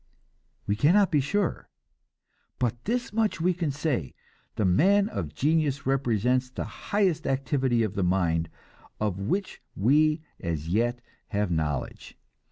We cannot be sure; but this much we can say: the man of genius represents the highest activity of the mind of which we as yet have knowledge.